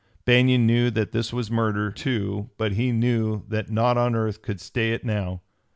Banion knew that this was murder, too, but he knew that naught on earth could stay it now.